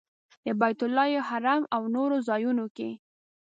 د بیت الله حرم او نورو ځایونو کې.